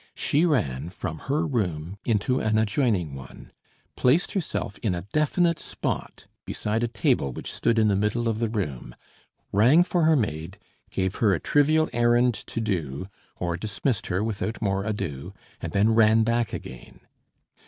She ran from her room into an adjoining one, placed herself in a definite spot beside a table which stood in the middle of the room, rang for her maid, gave her a trivial errand to do, or dismissed her without more ado, and then ran back again.